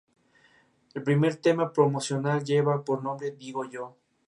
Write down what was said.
Los partidos se realizaron en las Piscinas Bernat Picornell de la ciudad catalana.